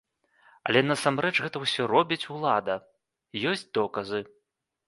Але насамрэч гэта ўсё робіць улада, ёсць доказы.